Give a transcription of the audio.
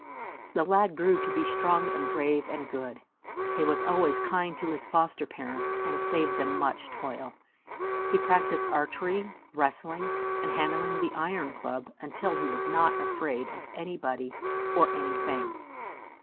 The lad grew to be strong, and brave, and good. He was always kind to his foster parents, and saved them much toil. He practised archery, wrestling, and handling the iron club, until he was not afraid of anybody or anything.